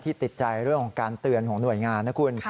ติดใจเรื่องของการเตือนของหน่วยงานนะคุณ